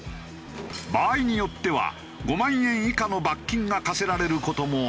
場合によっては５万円以下の罰金が科せられる事もある。